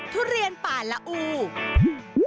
ทุเรียนป่าละอู